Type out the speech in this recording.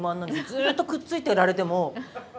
ずっとくっついてられても。